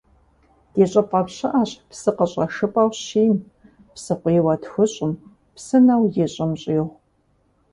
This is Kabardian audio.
Ди щӀыпӀэм щыӀэщ псы къыщӀэшыпӀэу щиим, псыкъуийуэ тхущӀум, псынэу ищӀым щӀигъу.